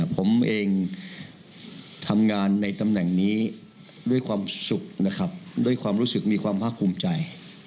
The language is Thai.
ผมเองทำงานในตำแหน่งนี้ด้วยความสุขนะครับด้วยความรู้สึกมีความภาคภูมิใจ